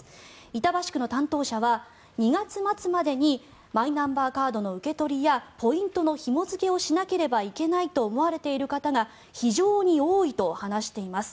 板橋区の担当者は２月末までにマイナンバーカードの受け取りやポイントのひも付けをしなければいけないと思われている方が非常に多いと話しています。